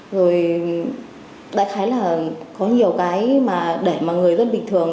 rồi đã khái là có nhiều cái mà để mà người dân bình thường